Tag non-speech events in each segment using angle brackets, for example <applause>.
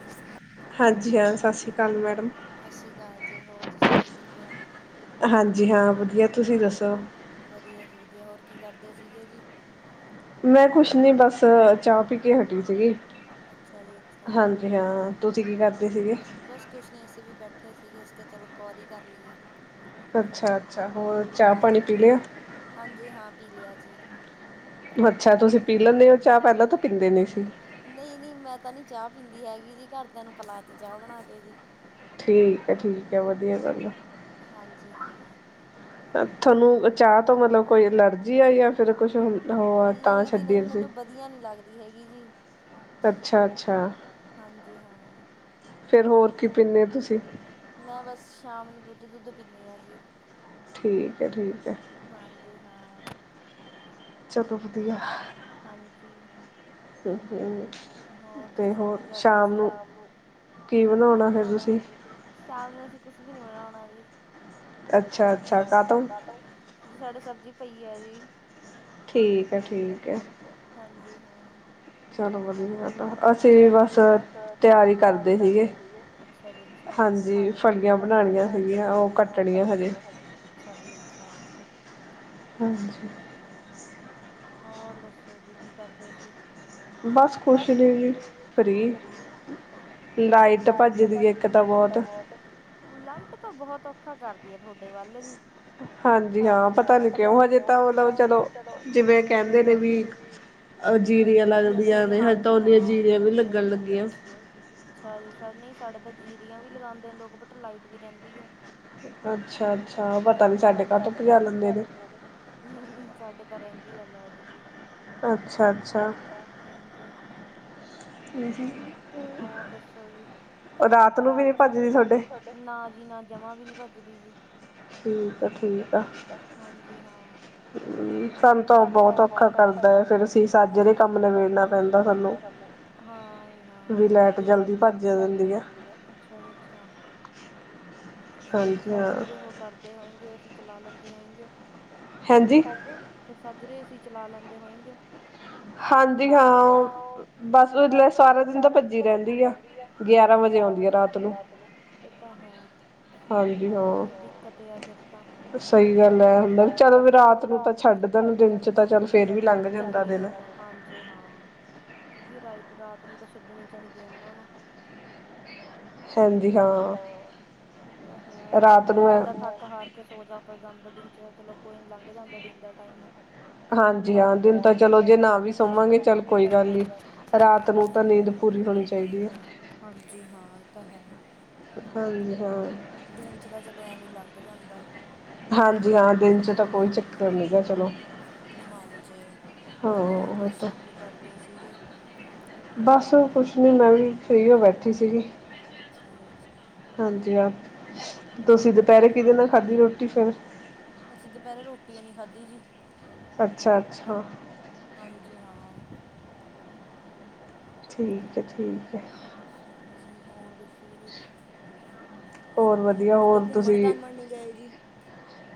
ਅ <unintelligible> ਹਾਂਜੀ ਹਾਂ, ਸਤਿ ਸ਼੍ਰੀ ਅਕਾਲ ਮੈਡਮ। ਸਸ ਸ਼੍ਰੀ ਅਕਾਲ ਜੀ, ਹੋਰ ਦੱਸੋ ਜੀ ਕਿਵੇਂ ਓ? ਹਾਂਜੀ ਹਾਂ ਵਧੀਆ, ਤੁਸੀਂ ਦੱਸੋ? ਵਧੀਆ ਜੀ ਵਧੀਆ। ਹੋਰ ਕੀ ਕਰਦੇ ਸੀਗੇ ਜੀ? ਮੈਂ ਕੁਛ ਨੀ ਬਸ, ਚਾਹ ਪੀ ਕੇ ਹਟੀ ਸੀਗੀ। ਅੱਛਾ ਜੀ ਅੱਛਾ। ਹਾਂ, ਤੁਸੀਂ ਕੀ ਕਰਦੇ ਸੀਗੇ? ਬਸ ਕੁਛ ਨਹੀਂ ਅਸੀਂ ਵੀ ਬੈਠੇ ਸੀਗੇ, ਅਸੀ ਕਿਹਾ ਚਲੋ ਕਰੀ ਕਰ ਲਈਏ। ਅੱਛਾ-ਅੱਛਾ ਹੋਰ ਚਾਹ ਪਾਣੀ ਪੀ ਲਿਆ? ਹਾਂਜੀ ਹਾਂ, ਪੀ ਲਿਆ ਜੀ। ਅੱਛਾ ਤੁਸੀਂ ਪੀ ਲੈਂਦੇ ਹੋ ਚਾਹ, ਪਹਿਲਾਂ ਤਾਂ ਪੀਂਦੇ ਨਹੀਂ ਸੀ। ਨਹੀਂ-ਨਹੀਂ ਮੈਂ ਤਾਂ ਨਹੀਂ ਚਾਹ ਪੀਂਦੀ ਹੈਗੀ ਜੀ, ਘਰਦਿਆਂ ਨੂੰ ਪਲਾਤੀ ਚਾਹ ਬਣਾ ਕੇ ਜੀ। ਠੀਕ ਹੈ, ਠੀਕ ਹੈ ਵਧੀਆ ਗੱਲ ਆ। ਹਾਂਜੀ, ਹਾਂ। ਤੁਹਾਨੂੰ ਚਾਹ ਤੋਂ ਮਤਲਬ ਕੋਈ ਐਲਰਜੀ ਆ ਜਾਂ ਫਿਰ--ਨਹੀਂ ਜੀ, ਨਹੀਂ ਮੈਨੂੰ ਬਧੀ ਧੀਆ ਨੀ ਲੱਗਦੀ ਹੈਗੀ ਜੀ। ਅੱਛਾ-ਅੱਛਾ ਹਾਂਜੀ, ਹਾਂ ਤੇ ਹੋਰ ਜੀ ਕੀ ਪੀਨੇ ਤੁਸੀਂ? ਮੈਂ ਬਸ ਸ਼ਾਮ ਨੂੰ ਦੁੱਧ-ਦੁੱਧ ਪੀਂਨੀ ਹਾਂ ਜੀ। ਠੀਕ ਹੈ -ਠੀਕ ਹੈ। ਹਾਂਜੀ, ਹਾਂ। ਹਾਂਜੀ। ਹੋਰ ਦੱਸੋ ਕੀ ਕਰਦੇ ਸੀ? ਸ਼ਾਮ ਨੂੰ ਕੀ ਬਣਾਉਣਾ ਫਿਰ ਤੁਸੀਂ? ਸ਼ਾਮ ਨੂੰ ਅਸੀਂ ਕੁਸ ਵੀ ਨੀ ਬਣਾਉਣਾ ਜੀ। ਅੱਛਾ-ਅੱਛਾ ਕਾਤੋਂ? ਜੀ ਸਾਡੇ ਸਬਜ਼ੀ ਪਈ ਹੈ ਜੀ। ਠੀਕ ਏ -ਠੀਕ ਏ। ਹਾਂਜੀ, ਹਾਂ। ਚ ਵਧੀਆ, ਅਸੀਂ ਬਸ ਤਿਆਰੀ ਕਰਦੇ ਸੀਗੇ। ਅੱਛਾ ਜੀ। ਹ ਫਲੀਆਂ ਬਣਾਣੀਆਂ ਸਿਗੀਆ, ਉਹ ਕੱਟਣੀਆਂ ਹਜੇ ਜੀ। ਹਾਂਜੀ। ਹੋਰ ਦੱਸੋ ਜੀ, ਕੀ ਕਰਦੇ ਸੀ? ਬਸ ਕੁਛ ਵੀ ਨਹੀਂ ਫਰੀ, ਲਾਈਟ ਭੱਜ ਦੀ ਇੱਕ ਤਾਂ ਬਹੁਤ। ਲਾਈਟ ਤਾਂ ਬਹੁਤ ਔਖਾ ਕਰਦੀ ਏ ਤੁਹਾਡੇ ਵੱਲ ਜੀ। ਹਾਂਜੀ ਹਾਂ, ਪਤਾ ਨੀ ਕਿਉਂ ਹਜੇ ਤਾਂ ਮਤਲਬ ਚਲੋ ਜਿਵੇਂ ਕਹਿੰਦੇ ਨੇ ਵੀ, ਜੀਰੀਆ ਜੂਰੀਆ ਲੱਗਨ ਕਰਕੇ। ਅੱਛਾ ਜੀ। ਨਹੀਂ ਸਾਡੇ ਤਾਂ ਜੀਰੀਆਂ ਵੀ ਲਗਾਂਦੇ ਲੋਕ, ਬਟ ਲਾਈਟ ਵੀ ਰਹਿੰਦੀ ਐ। ਅੱਛਾ-ਅੱਛਾ ਪਤਾ ਨੀ ਸਾਡੇ ਕਟ ਕਿਉੰ ਲਾ ਲੈਂਦੇ ਨੇ। ਨਹੀਂ-ਨਹੀਂ ਸਾਡੇ ਤਾਂ ਰਹਿੰਦੀ ਆ ਲਾਈਟ ਜੀ। ਅੱਛਾ-ਅੱਛਾ। ਹਾਂਜੀ, ਹਾਂ। ਹੋਰ ਦੱਸੋ ਜੀ, ਰਾਤ ਨੂੰ ਵੀ ਓ ਭੱਜਦੀ ਫੇਰ ਨਾ ਜੀ ਨਾ, ਜਮਾ ਵੀ ਨੀ ਭੱਜਦੀ ਜੀ। ਠੀਕ ਆ-ਠੀਕ ਆ। ਹਾਂਜੀ ਹਾਂ। ਸਾਨੂੰ ਤਾਂ ਓ ਬੋਤ ਔਖਾ ਕਰਦੈ। ਜੇੜੇ ਕੰਮ ਨਬੇੜਨਾ ਪੈਂਦੈ ਸਾਨੂੰ। ਹਾਂ ਈ ਹਾਂ ਫਿਰ ਸੱਚ ਈ, ਲੈਟ ਜਲਦੀ ਘੱਟ ਈ ਐ ਆਂਦੀ ਐ। ਅੱਛਾ ਜੀ ਅੱਛਾ। ਫੇਰ ਸੱਦ ਰੇਹ ਓ ਕੱਲ ਡੇ ਹੋਏਂਗੇ, ਏ ਸੀ ਚਲਾ ਲੈਂਦੇ ਹੋਏਂਗੇ। ਹਾਜੀ। ਤੱਦ ਰੇ ਏ ਸੀ ਚਲਾ ਲੈਂਦੇ ਹੋਏਂਗੇ। ਹਾਂਜੀ ਹਾਂ, ਓ ਬਸ ਉਦੇ ਆ ਸਾਰਾ ਦਿਨ ਤਾਂ ਭੱਜੀ ਰੈਂਦੀ ਐ। ਹਾਂ ਗਿਆਰਾਂ ਵਜੇ ਆਂਦੀ ਆ ਰਾਤ ਨੂੰ। ਏ ਤਾਂ ਹੈ। ਏ ਵੀ ਦਿੱਕਤ ਏਆ ਫੇਰ ਤਾਂ। ਸਈ ਗੱਲ ਐ, ਅੰਦਰ ਚੱਲ ਵਈ ਰਾਤ ਨੂੰ ਤਾਂ ਛੱਡ ਜਾਨਗੇ ਦਿਨ 'ਚ ਤਾਂ ਚੱਲ ਫੇਰ ਵੀ, <unintelligible> ਚੱਲੀ ਜਾਂਦੈ। ਹਾਂਜੀ ਹਾਂ, ਕਿਓਂਕਿ ਰਾਇਤ ਰਾਤ ਨੂੰ ਤਾਂ ਛੱਡਨੀ ਚਾਹੀਦੀ ਆ ਓਨਾਂ ਨੂੰ। ਹਾਂਜੀ ਹਾਂ। ਓ ਤਾਂ ਹੈ, ਹਾਂ ਰਾਤ ਨੂੰ ਤਾਂ ਬੰਦਾ ਥੱਕ ਹਾਰ ਕੇ ਸੌ ਜਾਤਾ ਜਾਂਦਾ। ਦਿਨ 'ਚ ਤਾਂ ਚਲੋ ਕੋਈ ਨੀ ਲੰਘ ਜਾਂਦਾ ਦਿਨ ਦਾ ਟਾਈਮ। ਹਾਂ ਜੀ ਹਾਂ, ਦਿਨ ਤਾਂ ਚਲੋ ਜੇ ਨਾ ਵੀ ਸੋਵਾਂਗੇ ਚੱਲ ਕੋਈ ਗੱਲ ਨੀ, ਰਾਤ ਨੂੰ ਤਾਂ ਨੀਂਦ ਪੂਰੀ ਹੋਨੀ ਚਾਈਦੀ ਆ। ਹਾਂਜੀ ਹਾਂ, ਏ ਤਾਂ ਹੈ। ਦਿਨ 'ਚ ਤਾਂ ਚਲੋ ਐਵੇਂ ਲੰਘ ਜਾਂਦੈ। ਹਾਂਜੀ ਹਾਂ, ਦਿਨ 'ਚ ਤਾਂ ਕੋਈ ਚੱਕਰ ਨੀ ਗਾ ਚਲੋ। ਹਾਂਜੀ, ਹੋਰ ਦੱਸੋ ਕੀ ਕਰਦੇ ਸੀਗੇ? ਬਸ ਕੁਛ ਨੀ ਮੈ ਵੀ ਫ੍ਰੀ ਓ ਬੈਠੀ ਸੀਗੀ। ਅੱਛਾ ਜੀ ਅੱਛਾ। ਹਾਂਜੀ ਆਪ ਤੁਸੀ ਦੁਪੈਰੇ ਕਿਦੇ ਨਾਲ ਖਾਧੀ ਰੋਟੀ ਫੇਰ। ਤੇ ਅਸੀ ਦੁਪੈਰੇ ਰੋਟੀ ਓ ਨੀ ਖਾਧੀ ਜੀ। ਅੱਛਾ-ਅੱਛਾ। ਹਾਂਜੀ ਹਾਂ। ਠੀਕ ਐ-ਠੀਕ ਐ। ਹਾਂਜੀ, ਹੋਰ ਦ ਸੋ ਜੀ। ਕਿਤੇ ਘੁੰਮਣ-ਘਾਮਣ ਨੀ ਗਏ ਜੀ?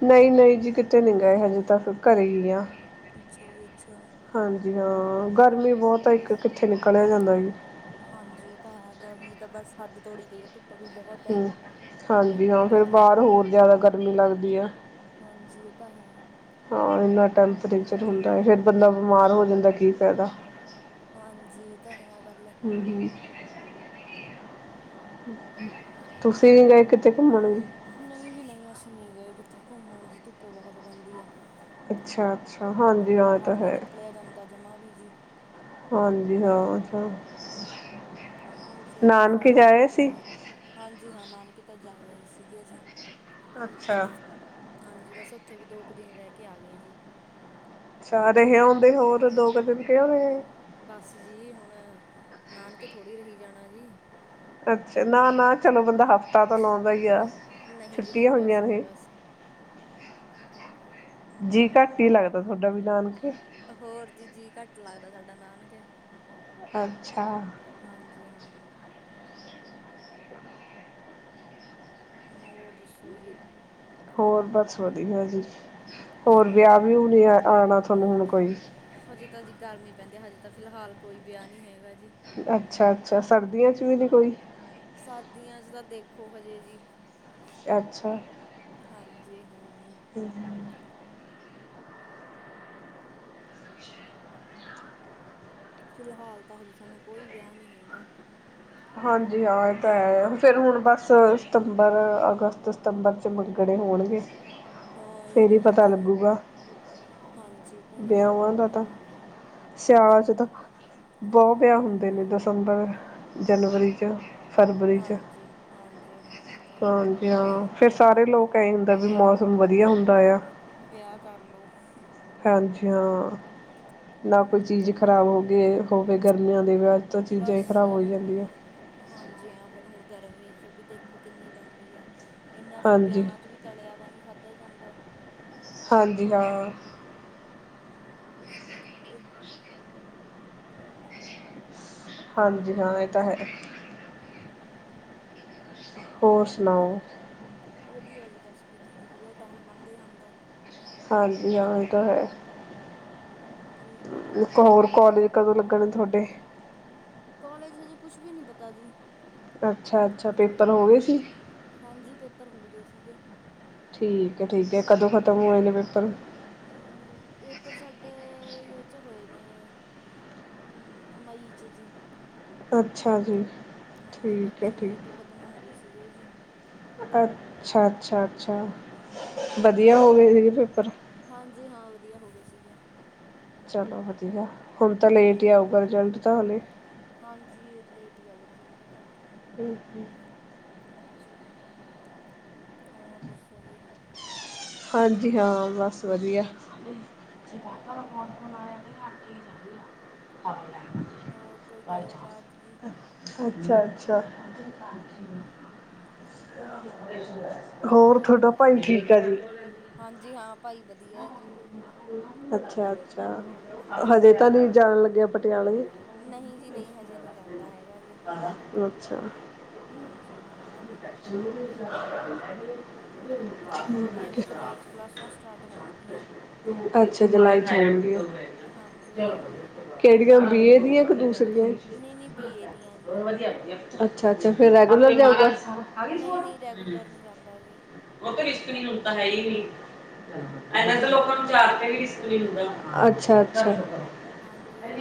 ਨਈ-ਨਈ ਜੀ ਕਿਤੇ ਨੀ ਗਏ ਹਜੇ ਤੱਕ, ਘਰੇ ਈ ਆਂ। ਹਾਂਜੀ ਹਾਂ, ਗਰਮੀ ਬੋਤ ਐ ਇੱਕ, ਕਿੱਥੇ ਨਿਕਲਿਆ ਜਾਦਾ ਜੀ। ਹਾਂਜੀ ਏ ਤਾਂ ਹੈ। ਗਰਮੀ ਤਾਂ ਬਸ ਹੱਦ ਤੋੜੀ ਪਈ ਆ। ਧੁੱਪ ਵੀ ਬੋਹੋਤ ਹੂੰ, ਹਾਂਜੀ ਹਾਂ ਫੇਰ ਬਾਹਰ ਹੋਰ ਜਿਆਦਾ ਗਰਮੀ ਲਗਦੀ ਐ। ਹਾਂਜੀ ਏ ਤਾਂ ਹੈ। ਹਾਂ, ਇੰਨਾਂ ਟੈਂਪਰੇਚਰ ਹੁੰਦਾ ਐ। ਫੇਰ ਬੰਦਾ ਬਿਮਾਰ ਹੋ ਜਾਂਦਾ ਕੀ ਫੈਦਾ। ਹਾਂਜੀ ਏ ਤਾਂ ਹੈ। ਆ ਗੱਲ ਐ। ਹਾਂਜੀ। ਤੁਸੀ ਨੀ ਗਏ ਕਿਤੇ ਘੁੰਮਣ? ਨਈ ਜੀ ਨਈ ਅਸੀ ਨਈ ਗਏ ਕਿੱਥੇ ਘੁੰਮਣ ਜੀ ਧੁੱਪ ਬੋਹੋਤ ਪੈਂਦੀ ਆ। ਬਾਹਰ ਨੀ ਨਿਕਲਿਆ ਜਾਂਦਾ ਜਮਾਂ ਵੀ ਜੀ। ਹਾਂਜੀ ਹਾਂ <unintelligible> ਹੋਰ ਫੇਰ ਕੀ ਫਾਈਦਾ ਧੁੱਪ 'ਚ ਜਾ। ਹਾਂਜੀ ਹਾਂ ਨਾਨਕੇ ਤਾਂ ਜਾ ਆਏ ਸੀਗੇ ਅਸੀ। ਅੱਛਾ। ਹਾਂਜੀ ਬਸ ਓਥੇ ਵੀ ਦੋ ਕੁ ਦਿਨ ਰੈ ਕੇ ਆ ਗਏ ਜੀ। ਸਾਰੇ ਓਂਦੇ ਹੋਰ ਦੋ ਕੋ ਪੁਛੇਆ ਹੋਏ। ਬਾੱਸ ਜੀ ਹੁਣ ਨਾਨਕੇ ਥੋੜੀ ਰਹੀ ਜਾਣਾ ਜੀ। ਅਛਾ ਨਾ-ਨਾ ਚਲੋ ਬੰਦਾ ਹਫ਼ਤਾ ਤੋ ਲੋਅਦਾ ਹੀ ਆ ਛੁੱਟੀ ਹੋਈਆਂ ਨੇ। ਜੀ ਘੱਟ ਈ ਲਗਦਾ ਤੋਡਾ ਵੀ ਨਾਨਕੇ ਹੋਰ ਜੀ, ਜੀ ਘੱਟ ਲਾਗਦਾ ਸਾਡਾ ਨਾਨਕੇ ਅਛਾ। ਹਾਂਜੀ ਹਾਂ। ਹੋਰ ਦੱਸੋ ਜੀ। ਹੋਰ ਬਾੱਸ ਵਦੀਆ ਜੀ ਹੋਰ ਵੇਆ ਵਯੁ ਨੀ ਆਣਾ ਥੋਨੂੰ ਹੁਣ ਕੋਈ। ਹਜੇ ਤਾਂ ਜੀ ਗਰਮੀ ਪੈਂਦੀ ਹਜੇ ਤਾਂ ਫਿਲਹਾਲ ਕੋਈ ਵਿਆ ਨੀ ਹੈਗਾ ਜੀ। ਅਛਾ-ਅਛਾ ਸਰਦੀਆਂ ਚ ਵੀ ਨੀ ਕੋਈ। ਸਾਰਦੀਆਂ ਚ ਤਾਂ ਦੇਖੋ ਹਜੇ ਜੀ। ਅਛਾ। ਹਾਂਜੀ ਹਾਂ। <inaudible> ਫਿਲਹਾਲ ਤਾਂ ਹਜੇ ਸਾਨੂੰ ਕੋਈ ਵੇਆ ਨੀ ਹੈਗਾ। ਹਾਂਜੀ ਹਾਂ ਏ ਤਾਂ ਹੈ ਫੇਰ ਹੁਣ ਬਾੱਸ ਸਤੰਬਰ, ਅਗਸਤ ਸਤੰਬਰ ਮੰਗਣੇ ਹੋਣਗੇ ਫੇਰ ਈ ਪਤਾ ਲਗੂਗਾ। ਵੇਆਵਾਂ ਦਾ ਤਾਂ ਸੇਆਲ ਚ ਤਾਂ ਬੋ ਵੇਆ ਹੁੰਦੇ ਨੇ ਦਸੰਬਰ, ਜਨਵਰੀ ਚ ਹਾਂਜੀ, ਹਾਂਜੀ ਹਾਂ ਏ ਤਾ ਹੈ। ਜਾਂ ਫੇਰ ਸਾਰੇ ਲੋਕ ਐਂ ਹੁੰਦਾ ਵੀ ਮੋਸਮ ਵਦੀਆ ਹੁੰਦਾ ਯਾ। ਵੇਆ ਕਾਰਲੋ। ਹਾਂਜੀ ਹਾਂ ਨਾ ਕੋਈ ਚੀਜ ਖਰਾਬ ਹੋਗੇ ਗ ਹੋਵੇ ਗਰਮੀਆਂ ਦੇ ਵੇਆ ਚ ਤਾ ਚੀਜਾ ਹੀ ਖਰਾਬ ਹੋਈ ਜਾਦੀਆਂ। ਹਾਂਜੀ ਆਂ ਫੇਰ ਹੁਣ ਗਰਮੀ ਚ ਵੀ ਦੇਖੋ ਕਿਨੀ ਪੈਂਦੀ ਆ ਏਨਾ ਫੇਰ ਵਿਆਹਾਂ ਚ ਵੀ- ਤਲੇਆ ਵਾ ਨੀ ਖਾਧਾ ਜਾਂਦਾ। ਹਾਂਜੀ ਹਾਂ। ਤੜਕੇ ਹਾਂਜੀ ਹਾਂ ਏ ਤਾਂ ਹੈ। <inaudible> ਹੋਰ ਸੁਣਾਓ। ਵਦੀਆ ਜੀ ਬਾੱਸ ਵਦੀਆ ਜੇੜਾ ਟੈਮ ਲੰਘ ਜਾਂਦਾ। ਹਾਂਜੀ ਹਾਂ ਏ ਤਾਂ ਹੈ। ਜੀ। ਇੱਕ ਹੋਰ ਕੋਲਜ ਕਦੋਂ ਲੱਗਣੇ ਥੋਡੇ। ਕੋਲੇਜ ਹਜੇ ਕੁਛ ਵੀ ਨੀ ਪਤਾ ਜੀ। ਅੱਛਾ-ਅੱਛਾ ਪੇਪਰ ਹੋਗੇ ਸੀ। ਹਾਂਜੀ ਪੇਪਰ ਹੋਗੇ ਸੀਗੇ। ਠੀਕ ਐ ਠੀਕ ਐ ਕਦੋਂ ਖਤਮ ਹੋਏ ਨੇ ਪੇਪਰ। ਪੇਪਰ ਸਾਡੇ ਯ ਚ ਹੋਏ ਨੇ। ਹੂੰ, ਮਈ ਚ ਜੀ। ਅੱਛਾ ਜੀ। ਹਾਂਜੀ ਪੱਚੀ ਮਈ ਤੋਂ ਖ਼ਤਮ ਹੋਗੇ ਸੀਗੇ ਜੀ। ਅੱਛਾ, ਅੱਛਾ, ਅੱਛਾ ਬਦੀਆ ਹੋਗੇ ਸੀਗੇ ਪੇਪਰ। ਹਾਂਜੀ ਹਾਂ ਵਧੀਆ ਹੋ ਗਿਆ ਸੀਗਾ। ਚਲੋ ਵਧੀਆ, ਹੁਨ ਤਾਂ ਲੇਟ ਹੀ ਆਊਗਾ ਰਜਲਟ ਤਾਂ ਹਲੇ। ਹਾਂਜੀ ਲੇਟ ਈ ਆਊ ਰਿਜਲਟ ਤਾਂ। ਹੂੰ ਹੂੰ। ਹਾਂਜੀ, ਹੋਰ ਦੱਸੋ ਜੀ। ਹਾਂਜੀ ਹਾਂ, ਬਸ ਵਧੀਆ। <inaudible> ਹੋਰ ਕੋਈ ਗੱਲਬਾਤ ਜੀ। ਅੱਛਾ-ਅੱਛਾ। ਹੋਰ ਹਾਂਜੀ ਹਾਂ ਭਾਈ ਵਧੀਆ ਜੀ। ਅੱਛਾ-ਅੱਛਾ ਹਜੇ ਤਾਂ ਨੀ ਜਾਣ ਲੱਗੇਆ ਪਟਿਆਲੇ। ਨਹੀ ਜੀ ਨਹੀ ਹਜੇ ਨਈ ਜਾਂਦਾ ਹੈਗਾ ਜੀ। ਹਾਂਜੀ ਹਾਂ। <inaudible> ਹਜੇ ੳਹਦੀਆਂ ਵੀ ਜੁਲਾਈ ਚ ਕਲਾਸਾਂ ਸਟਾਰਟ ਹੋਣਗੀਆਂ। ਅੱਛਾ ਜੁਲਾਈ ਚ ਹੋਣਗੀਆਂ। ਕੈੜੀਆਂ ਬੀਏ ਦੀਆਂ ਕੇ ਦੂਸਰੀਆਂ? ਅੱਛਾ-ਅੱਛਾ ਫੇਰ ਰੈਗੂਲਰ ਜਾਊਗਾ। ਨਈ, ਨਈ ਰੈਗੂਲਰ ਨਈ ਜਾਂਦਾ ਜੀ। ੳਹ ਤੇ ਰਿਸਕ ਹੁਨ ਤਾਂ ਹੈ ਈ ਏਨਾਂ ਤਾਂ ਲੋਕਾਂ ਨੂੰ ਜਾ ਕੇ ਵੀ ਲਿਸ਼ਕ ਨੀ ਹੁੰਦਾ। ਅੱਛਾ-ਅੱਛਾ।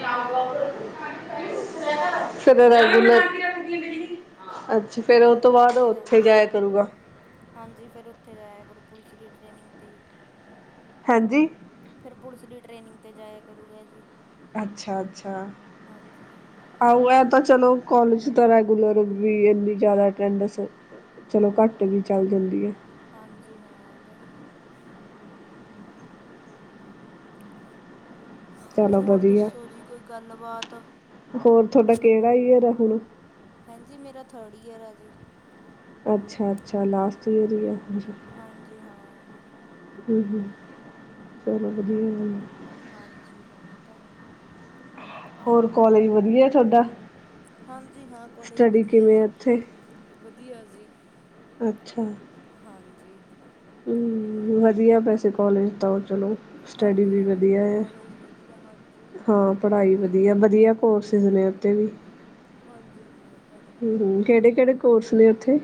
ਆਪ ਲੋਕ ਅੱਛਾ ਫੇਰ ੳ ੳਤੋ ਬਾਦ ੳਥੇ ਜਾਏਆ ਕਰੂਗਾ। ਹਾਂਜੀ ਫੇਰ ੳਥੇ ਜਾਏਆ ਕਰੂ, ਪੁਲਿਸ ਦੀ ਟ੍ਰੇਨਿਂਗ ਤੇ ਈ। ਹਾਂਜੀ ਫੇਰ ਪੁਲਿਸ ਦੀ ਟ੍ਰੇਨਿੰਗ ਤੇ ਜਾਏਆ ਕਰੂਗਾ ਜੀ। ਅੱਛਾ-ਅੱਛਾ। ਆਹੋ ਏ ਤਾਂ ਚਲੋ ਕੋਲਜ ਤਾਂ ਰੈਗੂਲਰ ਵੀ ਏਨੀ ਜਾਦਾ ਅਟੈਂਡਸ ਚਲੋ ਘੱਟ ਵੀ ਚੱਲ ਜਾਂਦੀ ਏ। ਹਾਂਜੀ ਹਾਂ, ੳ ਤਾਂ ਹੈ। ਹੋਰ ਦੱਸੋ ਜੀ ਕੋਈ ਗੱਲਬਾਤ। ਹੇਂਜੀ ਮੇਰਾ ਥਰਡ ਈਅਰ ਆ ਜੀ। ਅੱਛਾ-ਅੱਛਾ ਲਾਸਟ ਈਅਰ ਈ ਐ। ਹਾਂਜੀ, ਹਾਂ। ਹੂੰ ਹੂੰ। ਚਲੋ ਵਧੀਆ ਏ। ਹਾਂਜੀ ਹਾਂ, ੳ ਤਾਂ ਹੈ। ਹੋਰ ਕੋਲੇਜ ਵਧੀਆ ਤੁਹਾਡਾ? ਸਟੱਡੀ ਕਿਵੇਂ ਆ ਉਥੇ? ਵਧੀਆ ਜੀ। ਅੱਛਾ। ਹਾਂਜੀ। ਹੂੰ ਵਧੀਆ ਵੈਸੇ ਕੋਲਜ ਤਾਂ ੳਹ ਚਲੋ ਸਟੱਡੀ ਵੀ ਵਧੀਆ ਐ, ਹਾਂ। ਪੜਾਈ ਵਧੀਆ, ਵਧੀਆ ਕੋਰਸਿਸ ਨੇ ੳਥੇ ਵੀ। ਹਾਂਜੀ ਹਾਂ, ਐ ਤਾਂ ਹੈ। ਹੂੰ ਹੂੰ। ਕੇੜੇ ਕੇੜੇ ਕੋਰਸ ਨੇ ੳਥੇ?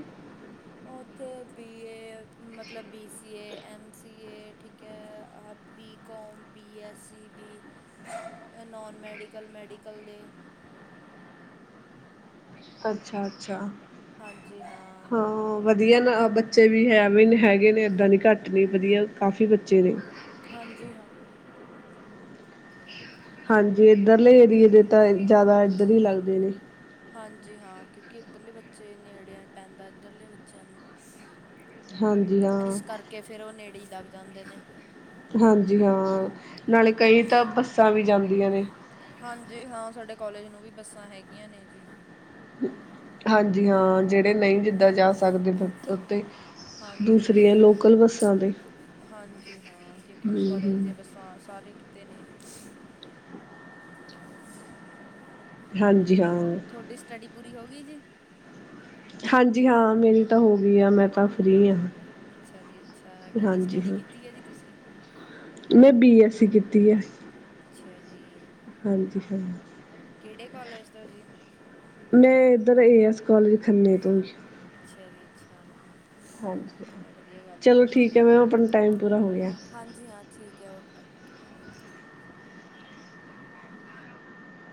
ਉੱਥੇ ਬੀਏ, ਮਤਲਬ B CA, M, C A ਠੀਕ। ਕਿਹਾ B com, B S, C B. Non medical, medical ਦੇ। ਅੱਛਾ -ਅੱਛਾ। ਹਾਂਜੀ ਹਾਂ। ਵਧੀਆ ਨਾ ਬੱਚੇ ਵੀ ਹੈ ਵੀ ਹੈਗੇ ਨੇ, ਇੱਦਾਂ ਨਈ ਘੱਟ ਨਈ ਵਧੀਆ ਕਾਫੀ ਬੱਚੇ ਨੇ। ਹਾਂਜੀ ਹਾਂ। ਹ। <inaudible> ਹਾਂਜੀ ਇੱਧਰਲੇ ਏਰੀਏ ਦੇ ਤਾਂ ਜ਼ਿਆਦਾ ਇੱਧਰ ਹੀ ਲੱਗਦੇ ਨੇ। ਹਾਂਜੀ ਹਾਂ ਕਿਉਂਕਿ ਇੱਧਰਲੇ ਬੱਚੇ ਨੇੜੇ ਪੈਂਦਾ ਇੱਧਰਲੇ ਬੱਚਿਆਂ ਨੂੰ। ਇਸ ਕਰਕੇ ਫਿਰ ਉਹ ਨੇੜੇ ਈ ਲੱਗ ਜਾਂਦੇ ਨੇ। ਹਾਂਜੀ ਹਾਂ ਨਾਲੇ ਕਈ ਤਾਂ ਬੱਸਾਂ ਵੀ ਜਾਂਦੀਆਂ ਨੇ। ਹਾਂਜੀ ਹਾਂ ਸਾਡੇ ਕੋਲਜ ਨੂੰ ਵੀ ਬੱਸਾਂ ਹੈਗੀਆਂ ਨੇ ਜੀ। ਹਾਂਜੀ ਹਾਂ ਜਿਹੜੇ ਨਈ ਜਿੱਦਾਂ ਜਾ ਸਕਦੇ। ਦੂਸਰੀ ਹੈ ਲੋਕਲ ਬੱਸਾਂ ਦੀ। ਹਾਂਜੀ ਹਾਂ ਕਿਉਂਕਿ ਉਹ ਕੋਾਲਜ ਦੀਆਂ ਬੱਸਾਂ ਸਾਰੇ ਕਿਤੇ ਨੇ ਹਾਂਜੀ ਹਾਂ। ਤੁਹਾਡੀ ਸਟੱਡੀ ਪੂਰੀ ਹੋ ਗਈ ਜੀ? ਹਾਂਜੀ ਹਾਂ ਮੇਰੀ ਤਾਂ ਹੋ ਗਈ ਆ, ਮੈਂ ਤਾਂ ਫ੍ਰਰੀ ਹਾਂ। ਅੱਛਾ ਜੀ ਅੱਛਾ, ਕਿਹੜੀ ਸਟੱਡੀ ਕੀਤੀ ਹੈ ਜੀ ਤੁਸੀਂ? ਮੈਂ ਬੀ ਐੱਸ ਸੀ ਕੀਤੀ ਹੈ। ਅੱਛਾ ਜੀ। ਹਾਂਜੀ ਹਾਂ। ਮੈਂ ਇੱਧਰ ਏ ਐਸ ਕੋਲਜ ਖੰਨੇ ਤੋਂ। ਅੱਛਾ ਜੀ ਅੱਛਾ। ਹਾਂਜੀ, ਚਲੋ ਠੀਕ ਹੈ ਮੈਮ ਆਪਣਾ ਟਾਈਮ ਪੂਰਾ ਹੋ ਗਿਆ। ਹਾਂਜੀ ਹਾਂ ਠੀਕ ਹੈ ਓਕੇ।